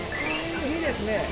いいですね。